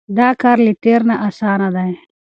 دا کار له تېر نه اسانه دی.